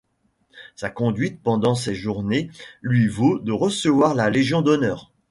Sa conduite pendant ses journées lui vaut de recevoir la Légion d'honneur.